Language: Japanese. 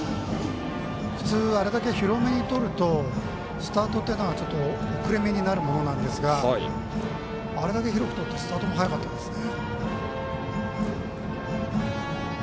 普通、あれだけ広めにとるとスタートというのは遅れめになるものなんですがあれだけ広くとってスタートも早かったですね。